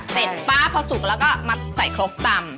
ป๊าพอสุกแล้วก็มาใส่ครกตำ